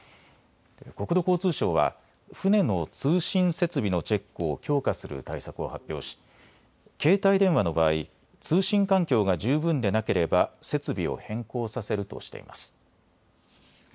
国土交通省は船の通信設備のチェックを強化する対策を発表し携帯電話の場合、通信環境が十分でなければ設備を変更させるとしています。